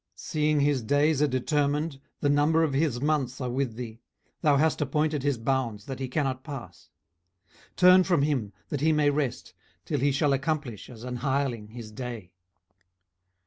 18:014:005 Seeing his days are determined, the number of his months are with thee, thou hast appointed his bounds that he cannot pass; 18:014:006 Turn from him, that he may rest, till he shall accomplish, as an hireling, his day.